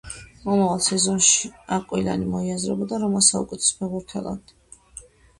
მომავალ სეზონში აკვილანი მოიაზრებოდა რომას საუკეთესო ფეხბურთელად.